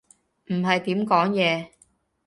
唔係點講嘢